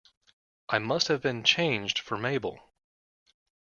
I must have been changed for Mabel!